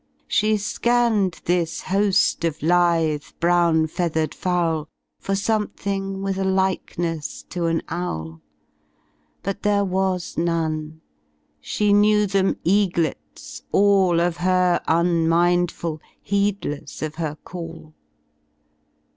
She scanned this ho ft of lithe, brown feathered fowl For something tvith a likeness to an owl; But there zuas none; she kneiv them eaglets all Of her unmindful, heedless of her call.